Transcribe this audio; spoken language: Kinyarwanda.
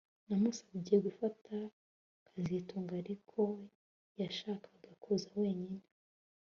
Namusabye gufata kazitunga ariko yashakaga kuza wenyine